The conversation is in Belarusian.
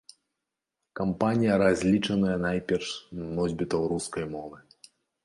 Кампанія разлічаная найперш на носьбітаў рускай мовы.